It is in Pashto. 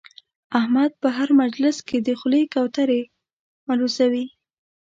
احمد په هر مجلس کې د خولې کوترې اولوزوي.